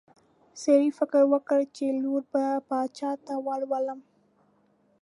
سړي فکر وکړ چې لور به باچا ته ورولم.